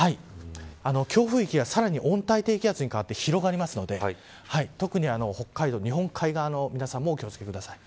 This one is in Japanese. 強風域が、さらに温帯低気圧に変わって広がるので特に北海道、日本海側の皆さんも気を付けてください。